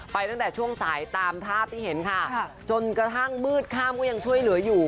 ตั้งแต่ช่วงสายตามภาพที่เห็นค่ะจนกระทั่งมืดข้ามก็ยังช่วยเหลืออยู่